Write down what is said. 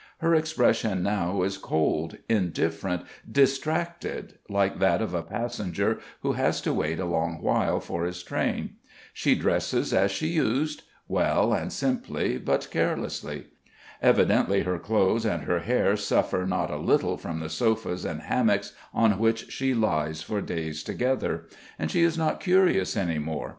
Her expression now is cold, indifferent, distracted, like that of a passenger who has to wait a long while for his train. She dresses as she used well and simply, but carelessly. Evidently her clothes and her hair suffer not a little from the sofas and hammocks on which she lies for days together. And she is not curious any more.